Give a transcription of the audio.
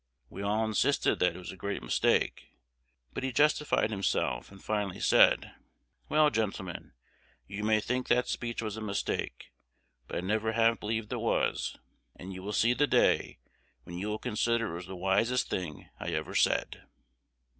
We all insisted that it was a great mistake; but he justified himself, and finally said, 'Well, gentlemen, you may think that speech was a mistake; but I never have believed it was, and you will see the day when you will consider it was the wisest thing I ever said.'"